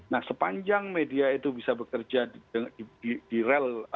nah sepanjang media itu bisa bekerja di rel